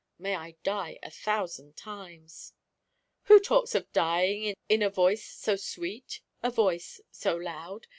may I die a thousand times!" "Who talks of dying, in a voice so sweet a voice so loud?"